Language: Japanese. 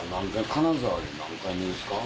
金沢何回目ですか？